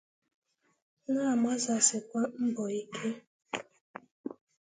na-agbasikwa mbọ ike